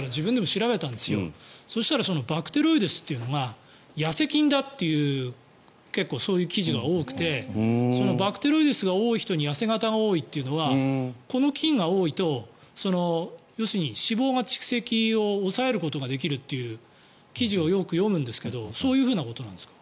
気になったので調べたんですがバクテロイデスというのが痩せ菌だという記事が多くてバクテロイデスが多い人に痩せ形が多いというのはこの菌が多いと脂肪の蓄積を抑えることができるという記事をよく読むんですがそういうことなんですか？